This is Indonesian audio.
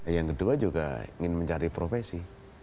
yang kedua juga ingin mencari profesi